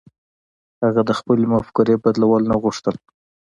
هغه د خپلې مفکورې بدلول نه غوښتل.